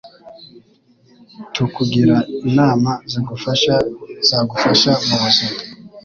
tukugira inama zigufasha zagufasha mubuzima .